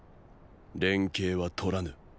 連携は取らぬ。